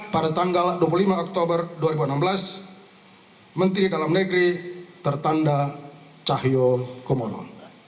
pada tanggal dua puluh lima oktober dua ribu enam belas menteri dalam negeri tertanda cahyo komodo